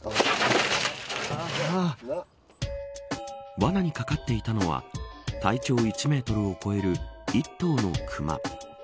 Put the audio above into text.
罠にかかっていたのは体長１メートルを超える１頭の熊。